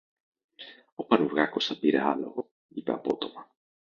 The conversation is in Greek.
Ο Πανουργάκος θα πήρε άλογο, είπε απότομα.